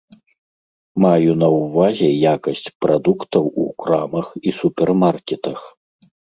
Маю на ўвазе якасць прадуктаў у крамах і супермаркетах.